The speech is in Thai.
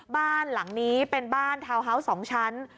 บ้านหลังนี้เป็นบ้านทาวน์ฮาวส์๒ชั้น